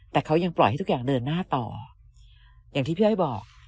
แต่เขายังปล่อยให้ทุกอย่างเดินหน้าต่ออย่างที่พี่อ้อยบอก